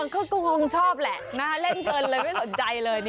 ก็คงชอบแหละเล่นเกินเลยไม่สนใจเลย